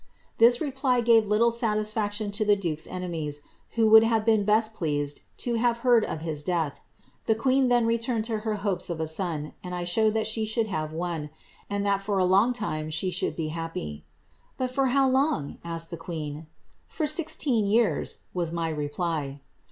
'' This reply gave little satisfaction to the duke's enemies, who would have been best pleased to have heard of his death. The queen then returned to her hopes of a son, and I showed that she should have one, and that for a long time she should be liappy. *• But for how long ?' asked the queen. ' For sixteen years,' was my reply.